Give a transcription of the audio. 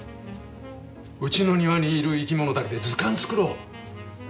うちの庭にいる生き物だけで図鑑作ろう。